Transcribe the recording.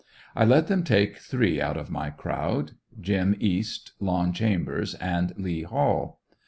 I let them take three out of my crowd: "Jim" East, "Lon" Chambers and "Lee" Hall.